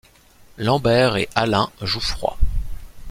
Lambert et Alain Jouffroy.